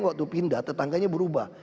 waktu pindah tetangganya berubah